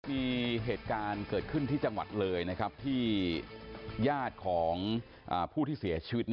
มีเหตุการณ์เกิดขึ้นที่จังหวัดเลยที่ญาติของผู้ที่เสียชีวิต